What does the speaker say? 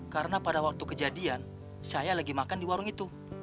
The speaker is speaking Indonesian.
karena pada waktu kejadian saya lagi makan di warung itu